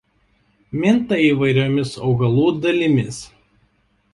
Minta įvairiomis augalų dalimis.